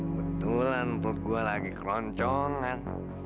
betulan buat gue lagi keloncongan